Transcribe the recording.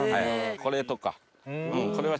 これとか。